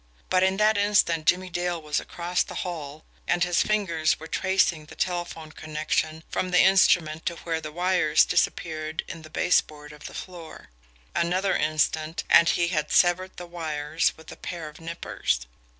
But in that instant Jimmie Dale was across the hall, and his fingers were tracing the telephone connection from the instrument to where the wires disappeared in the baseboard of the floor. Another instant, and he had severed the wires with a pair of nippers.